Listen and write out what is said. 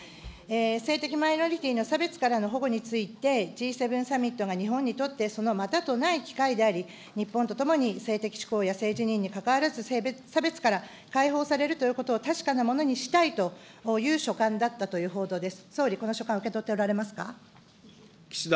性的マイノリティーの差別からの保護について、Ｇ７サミットが日本にとって、そのまたとない機会であり、日本とともに性的指向や政治にかかわらず、性別差別から解放されるということを確かなものにしたいという書簡だったということです。